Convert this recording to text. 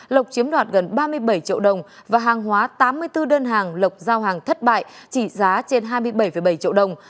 lộc chiếm đoạt gần ba mươi bảy triệu đồng và hàng hóa tám mươi bốn đơn hàng lộc giao hàng thất bại chỉ giá trên hai mươi bảy bảy triệu đồng